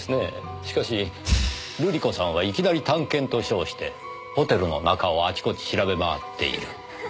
しかし瑠璃子さんはいきなり探検と称してホテルの中をあちこち調べ回っている。